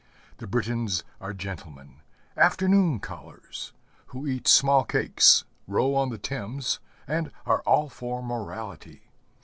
The Britons are gentlemen, afternoon callers, who eat small cakes, row on the Thames, and are all for morality.